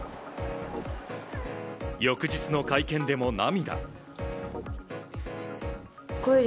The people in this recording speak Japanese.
翌日の会見でも涙。